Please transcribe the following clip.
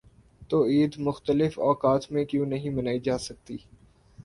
تو عید مختلف اوقات میں کیوں نہیں منائی جا سکتی؟